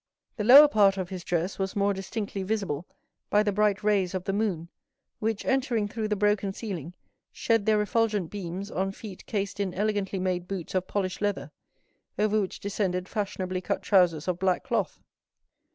The lower part of his dress was more distinctly visible by the bright rays of the moon, which, entering through the broken ceiling, shed their refulgent beams on feet cased in elegantly made boots of polished leather, over which descended fashionably cut trousers of black cloth.